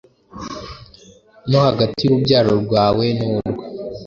no hagati y’urubyaro rwawe n’urwe: